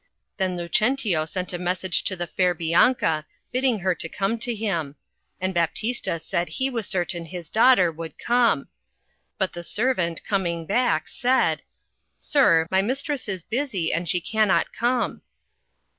Then Lucentio sent a message to the fair Bianca bidding her to come to him. And Baptista said he was certain his daughter would come. But the servant coming back, said — 'Sir, my mistress is bui:y, and she cannot come."